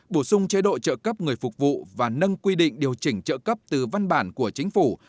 bổ sung chế độ trợ cấp người phục vụ và nâng quy định điều chỉnh trợ cấp từ văn bản của chính phủ